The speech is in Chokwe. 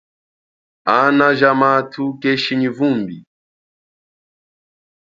Ana ja mathu keshi nyi vumbi.